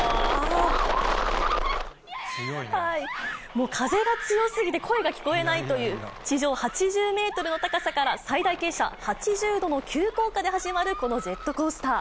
もう風が強すぎて声が聞こえないという、地上８０メートルの高さから、最大傾斜８０度の急降下で始まるこのジェットコースター。